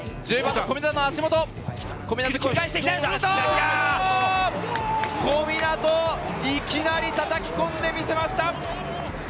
小湊、いきなりたたきこんで見せました。